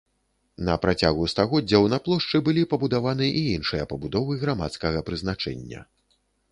На працягу стагоддзяў на плошчы былі пабудаваны і іншыя пабудовы грамадскага прызначэння.